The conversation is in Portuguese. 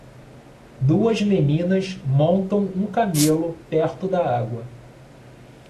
Duas meninas montam um camelo perto da água.